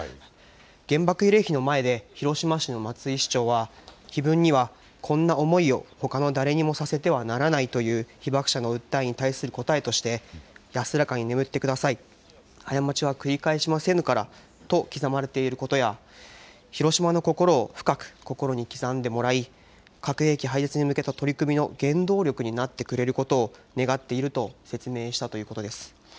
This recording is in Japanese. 原爆慰霊碑の前で広島市の松井市長は碑文にはこんな思いをほかの誰にもさせてはならないという被爆者の訴えに対する答えとして安らかに眠って下さい過ちは繰返しませぬからと刻まれていることやヒロシマの心を深く心に刻んでもらい核兵器廃絶に向けた取り組みの原動力になってくれることを願っていると説明したということです。